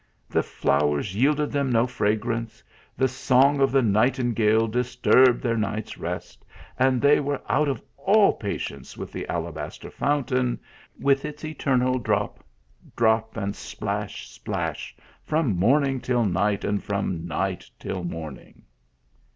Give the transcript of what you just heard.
The flowers yielded them no fragrance ; the song of the night ingale disturbed their night s rest, and they were out of all patience with the alabaster fountain, with its eternal drop, drop, and splash, splash, from morn ing till night, and from night till morning.